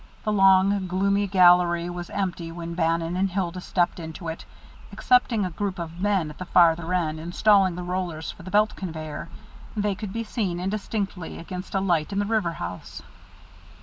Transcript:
The long, gloomy gallery was empty when Bannon and Hilda stepped into it, excepting a group of men at the farther end, installing the rollers for the belt conveyor they could be seen indistinctly against a light in the river house.